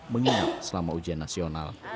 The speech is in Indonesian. menginap selama ujian nasional